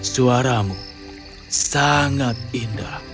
suaramu sangat indah